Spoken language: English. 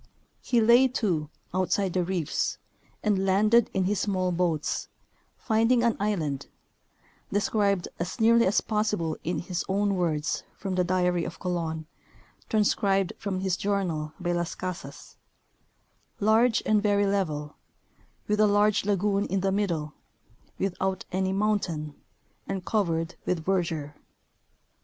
He " lay to " outside the reefs, and landed in his small boats, finding an island (described as nearly as possi ble in his own words from the " Diary of Colon," transcribed from his journal by Las Casas), large and very level, with a large lagoon in the middle, without any mountain, and covered with verdure.